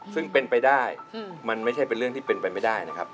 ซึ่งเป็นไปได้มันไม่ใช่เป็นเรื่องที่เป็นไปไม่ได้นะครับ